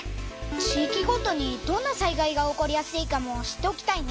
地いきごとにどんな災害が起こりやすいかも知っておきたいね。